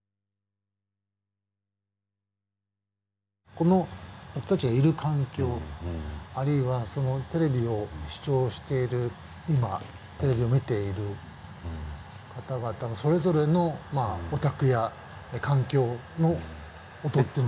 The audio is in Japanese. この僕たちがいる環境あるいはテレビを視聴している今テレビを見ている方々のそれぞれのお宅や環境の音っていうのもあるわけですね。